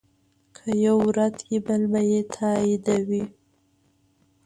که یو رد کړې بل به یې تاییدوي.